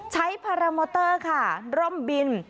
ใช้พาราโมเตอร์ค่ะล่อมบิน